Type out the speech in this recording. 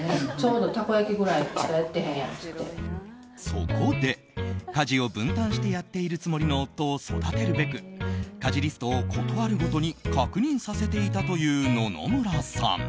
そこで、家事を分担してやっているつもりの夫を育てるべく家事リストを、ことあるごとに確認させていたという野々村さん。